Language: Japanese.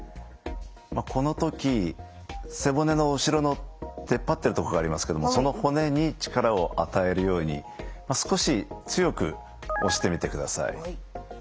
この時背骨の後ろの出っ張ってる所がありますけれどもその骨に力を与えるように少し強く押してみてください。